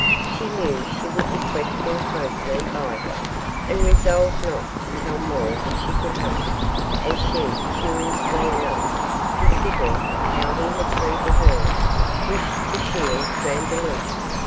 She knew she would be questioned closely by her, and resolved not to tell more than she could help, as she, curiously enough considering how he had treated her wished to shield Vandeloup.